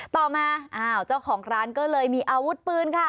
ต่อมาอ้าวเจ้าของร้านก็เลยมีอาวุธปืนค่ะ